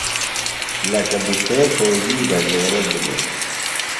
لکہ بُٹھے فوجی گھڈیروۡ بِھلوۡ